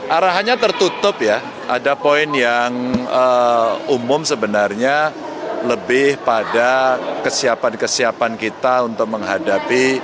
arahannya tertutup ya ada poin yang umum sebenarnya lebih pada kesiapan kesiapan kita untuk menghadapi